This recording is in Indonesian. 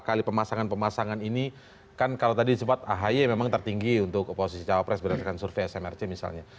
apakah dari pemasangan pemasangan ini kan kalau tadi sempat ahy memang tertinggi untuk posisi cawa pres berdasarkan survei smrc misalnya